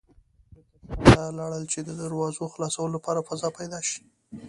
بېرته شاته لاړل چې د دراوزو خلاصولو لپاره فضا پيدا شي.